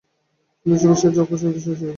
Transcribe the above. তিনি ছবির সাহায্য অক্ষর চেনাতে সচেষ্ট হয়েছিলেন।